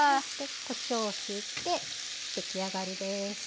こしょうをひいて出来上がりです。